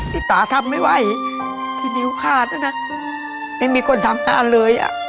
โจทย์สำหรับข้อนี้ก็คือ